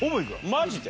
マジで？